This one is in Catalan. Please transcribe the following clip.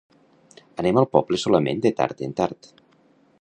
Anem al poble solament de tard en tard.